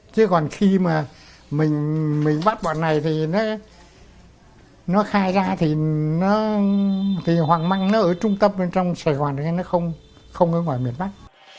chứ còn khi mà mình mình bắt bọn này thì nó nó khai ra thì nó thì hoàng măng nó ở trung tâm trong sài gòn nó không không ở ngoài miền bắc